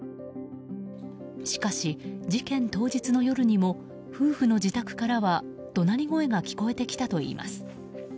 しかし、事件当日の夜にも夫婦の自宅からは怒鳴り声が聞こえてきたといいます。